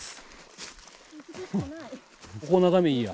ここ眺めいいや。